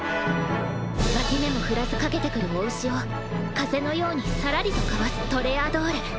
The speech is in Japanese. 脇目も振らず駆けてくる雄牛を風のようにさらりとかわすトレアドール。